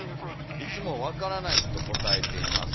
「いつも『分からない』とこたえています。